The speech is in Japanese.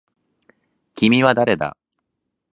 君は誰だ